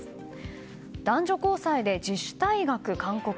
男女交際で自主退学勧告。